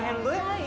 はい。